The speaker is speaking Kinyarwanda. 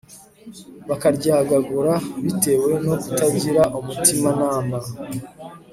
bakaryagagura bitewe no kutagira umutimanama